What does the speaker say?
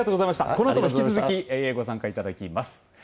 このあとも引き続きご参加いただけます。